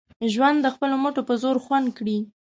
ژوند د خپلو مټو په زور خوند کړي